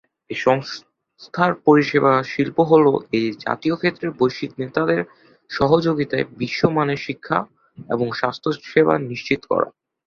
এই সংস্থার পরিষেবা শিল্প হলো এই জাতীয় ক্ষেত্রে বৈশ্বিক নেতৃত্বের সহযোগিতায় বিশ্বমানের শিক্ষা এবং স্বাস্থ্যসেবা নিশ্চিত করা।